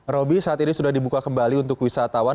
roby saat ini sudah dibuka kembali untuk wisatawan